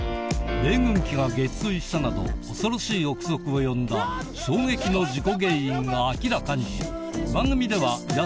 米軍機が撃墜したなど恐ろしい臆測を呼んだ衝撃の事故原因が明らかに！